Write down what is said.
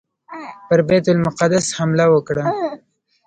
پر بیت المقدس حمله وکړه.